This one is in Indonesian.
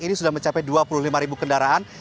ini sudah mencapai dua puluh lima ribu kendaraan